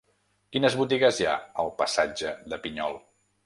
Quines botigues hi ha al passatge de Pinyol?